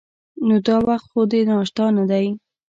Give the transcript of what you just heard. نو دا وخت خو د ناشتا نه دی.